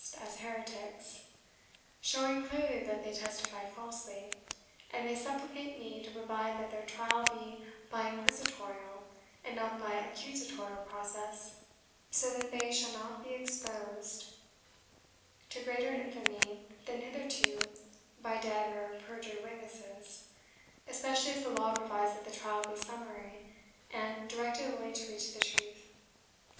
14 210 ESTABLISHMENT OF THE INQUISITION [BOOK I as heretics, showing clearly that they testified falsely, and they supplicate me to provide that their trial be by inquisitorial and not by accusatorial process, so that they shall not be exposed to greater infamy than hitherto by dead or perjured witnesses, especially as the law provides that the trial be summary and directed only to reach the truth.